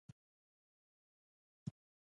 پر اوږه يې لاس ولګېد.